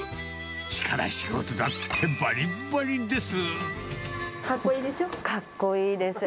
力仕事だってばりばりです。